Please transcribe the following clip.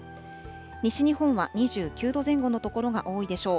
西日本は２９度前後の所が多いでしょう。